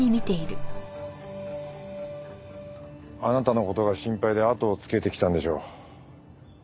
あなたの事が心配であとをつけてきたんでしょう。